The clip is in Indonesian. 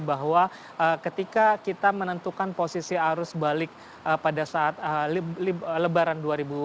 bahwa ketika kita menentukan posisi arus balik pada saat lebaran dua ribu dua puluh